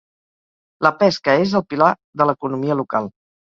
La pesca és el pilar de l'economia local.